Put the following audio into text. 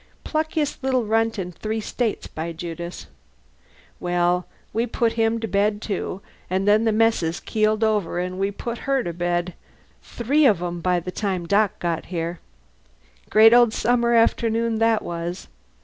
Pluckiest little runt in three States, by Judas! Well, we put him to bed, too, and then the Missus keeled over, an' we put her to bed. Three of them, by time the Doc got here. Great old summer afternoon that was!